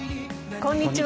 こんにちは。